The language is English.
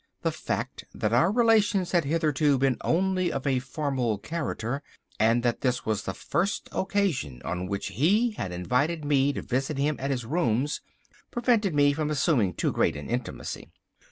The fact that our relations had hitherto been only of a formal character, and that this was the first occasion on which he had invited me to visit him at his rooms, prevented me from assuming too great an intimacy.